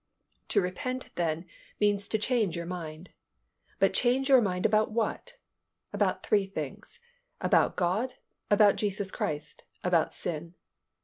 To repent then means to change your mind. But change your mind about what? About three things; about God, about Jesus Christ, about sin.